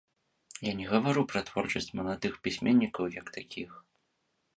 Я не гавару пра творчасць маладых пісьменнікаў як такіх.